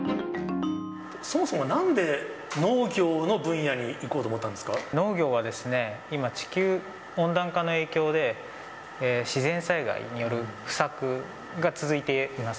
そもそもなんで農業の分野に農業はですね、今、地球温暖化の影響で、自然災害による不作が続いています。